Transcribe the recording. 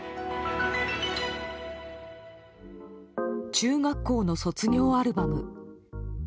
中学校の卒業アルバム。